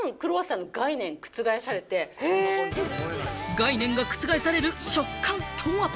概念が覆される食感とは？